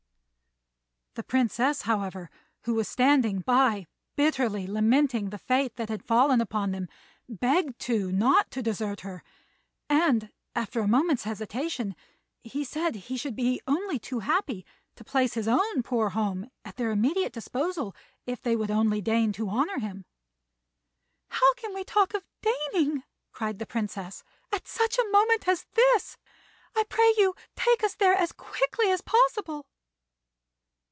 The Princess, however, who was standing by bitterly lamenting the fate that had fallen upon them, begged Tou not to desert her; and, after a moment's hesitation, he said he should be only too happy to place his own poor home at their immediate disposal if they would only deign to honour him. "How can we talk of deigning," cried the Princess, "at such a moment as this? I pray you take us there as quickly as possible."